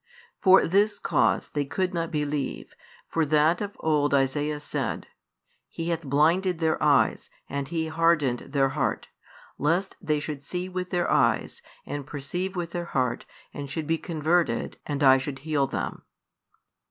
For this cause they could not believe, for that of old Isaiah said, He hath blinded their eyes, and He hardened their heart; lest they should see with their eyes, and perceive with their heart, and should be converted, and I should heal them.